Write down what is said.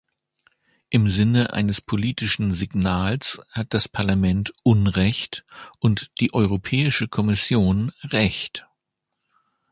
Im Sinne eines politischen Signals hat das Parlament Unrecht und die Europäische Kommission Recht.